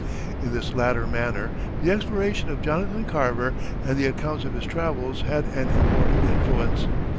In this latter manner the exploration of Jonathan Carver and the accounts of his travels had an important influence.